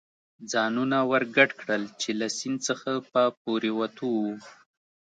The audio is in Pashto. ځانونه ور ګډ کړل، چې له سیند څخه په پورېوتو و.